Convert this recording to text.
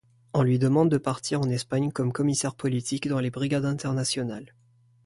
On lui demande de partir en Espagne comme commissaire politique dans les Brigades internationales.